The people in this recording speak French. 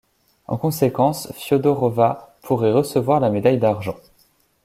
En conséquence, Fyodorova pourrait recevoir la médaille d'argent.